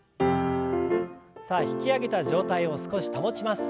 さあ引き上げた状態を少し保ちます。